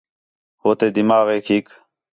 ہو تے دماغیک ہِک